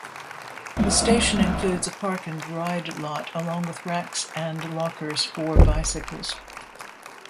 The station includes a park-and-ride lot along with racks and lockers for bicycles.